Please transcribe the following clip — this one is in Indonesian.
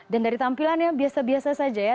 dan dari tampilannya biasa biasa saja ya